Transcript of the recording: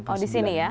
oh di sini ya